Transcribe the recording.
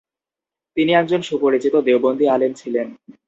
তিনি একজন সুপরিচিত দেওবন্দী আলেম ছিলেন।